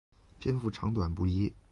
篇幅长短不一。